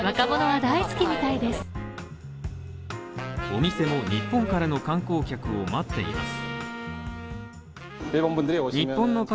お店も日本からの観光客を待っています。